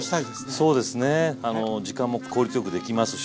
そうですね時間も効率よくできますし。